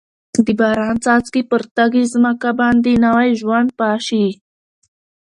د باران څاڅکي پر تږې ځمکه باندې نوي ژوند پاشي.